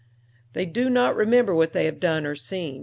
They do not remember what they have done or seen.